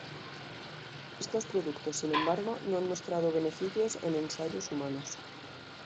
Estos productos, sin embargo, no han mostrado beneficios en ensayos humanos.